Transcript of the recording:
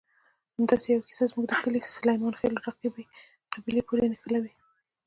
همداسې یوه کیسه زموږ د کلي سلیمانخېلو رقیبې قبیلې پورې نښلولې.